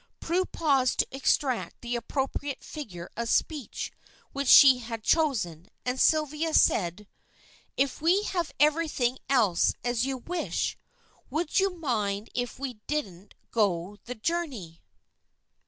Prue paused to extract the appropriate figure of speech which she had chosen, and Sylvia said "If we have everything else as you wish it, would you mind if we didn't go the journey?"